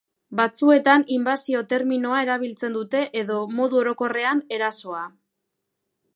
Batzuetan inbasio terminoa erabiltzen dute edo, modu orokorrean, erasoa.